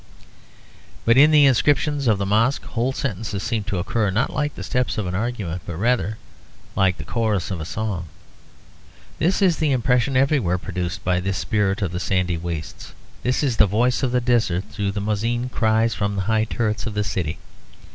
But in the inscriptions of the Mosque whole sentences seem to occur, not like the steps of an argument, but rather like the chorus of a song. This is the impression everywhere produced by this spirit of the sandy wastes; this is the voice of the desert, though the muezzin cries from the high turrets of the city.